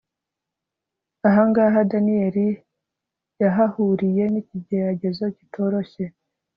ahangaha daniyeli yahahuriye n'ikigeragezo kitoroshye